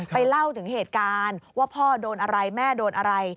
เล่าถึงเหตุการณ์ว่าพ่อโดนอะไรแม่โดนอะไร